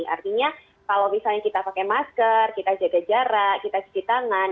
artinya kalau misalnya kita pakai masker kita jaga jarak kita cuci tangan